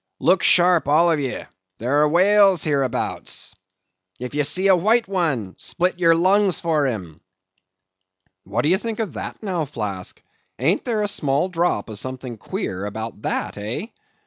Look sharp, all of ye! There are whales hereabouts! "If ye see a white one, split your lungs for him! "What do you think of that now, Flask? ain't there a small drop of something queer about that, eh?